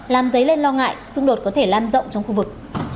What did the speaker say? làm dấy lên lo ngại xung đột có thể lan rộng trong khu vực